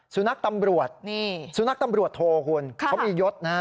สุนัขตำรวจนี่สุนัขตำรวจโทคุณเขามียศนะฮะ